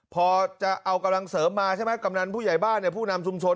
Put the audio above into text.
พอจะเอากำลังเสริมมาใช่ไหมกำนันผู้ใหญ่บ้านเนี่ยผู้นำชุมชน